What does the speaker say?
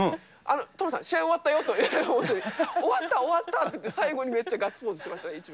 トムさん、試合終わったよって言って、終わった、終わったって言って、最後にめっちゃガッツポーズしてましたね、一番。